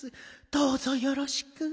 どうぞよろしく。